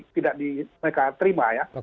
tidak mereka terima